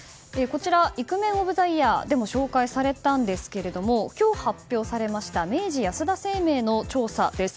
イクメンオブザイヤーでも紹介されたんですが今日発表されました明治安田生命の調査です。